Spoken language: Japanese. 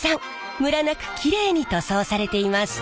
ムラなくきれいに塗装されています。